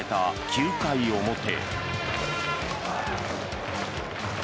９回表。